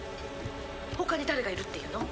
他に誰がいるっていうの？